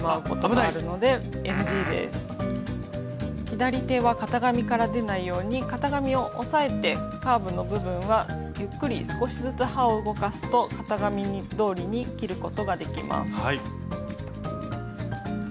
左手は型紙から出ないように型紙を押さえてカーブの部分はゆっくり少しずつ刃を動かすと型紙どおりに切ることができます。